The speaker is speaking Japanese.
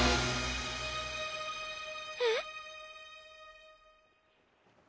えっ！？